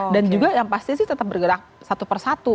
dan juga yang pasti sih tetap bergerak satu persatu